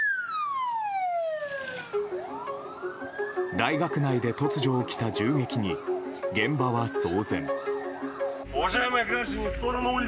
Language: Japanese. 大学内で突如起きた銃撃に現場は騒然。